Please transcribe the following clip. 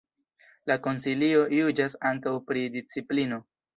La Konsilio juĝas ankaŭ pri disciplino.